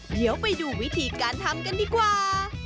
เดี๋ยวไปดูวิธีการทำกันดีกว่า